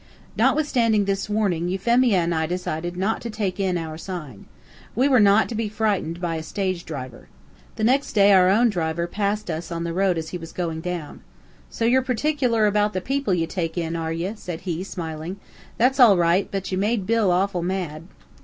Notwithstanding this warning, Euphemia and I decided not to take in our sign. We were not to be frightened by a stage driver. The next day our own driver passed us on the road as he was going down. "So ye're pertickler about the people ye take in, are ye?" said he, smiling. "That's all right, but ye made Bill awful mad."